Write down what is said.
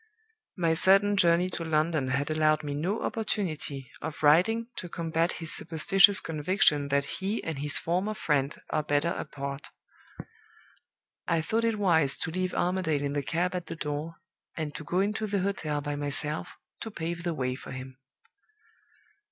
My sudden journey to London had allowed me no opportunity of writing to combat his superstitious conviction that he and his former friend are better apart. I thought it wise to leave Armadale in the cab at the door, and to go into the hotel by myself to pave the way for him.